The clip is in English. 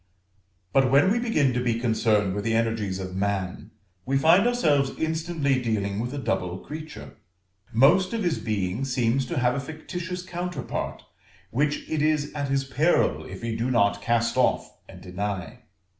But when we begin to be concerned with the energies of man, we find ourselves instantly dealing with a double creature. Most part of his being seems to have a fictitious counterpart, which it is at his peril if he do not cast off and deny.